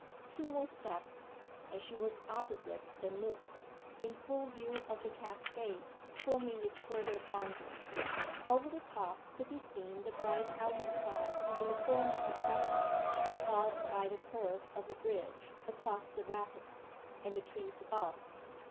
Two more steps, and she was opposite the nook, in full view of the cascade forming its further boundary. Over the top could be seen the bright outer sky in the form of a crescent, caused by the curve of a bridge across the rapids, and the trees above.